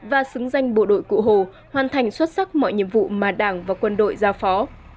và xứng danh bộ đội cụ hồ hoàn thành xuất sắc mọi nhiệm vụ mà đảng và quân đội giao phó